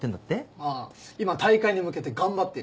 ああ今大会に向けて頑張ってる。